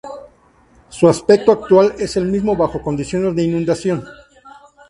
Su aspecto actual es el mismo bajo condiciones de inundación.